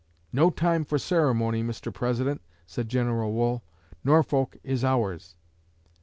'No time for ceremony, Mr. President,' said General Wool; 'Norfolk is ours!'